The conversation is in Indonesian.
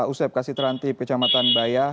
ustaz kasih terhenti kecamatan bayah